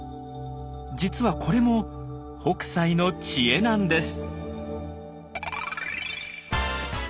実はこれも北斎の知恵なんです。